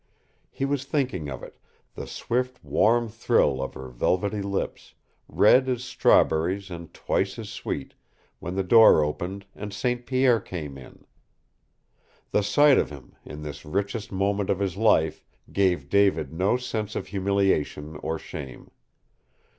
He was thinking of it, the swift, warm thrill of her velvety lips, red as strawberries and twice as sweet, when the door opened and St. Pierre came in. The sight of him, in this richest moment of his life, gave David no sense of humiliation or shame.